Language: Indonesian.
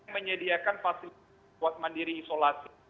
menyediakan fasilitas mandiri isolasi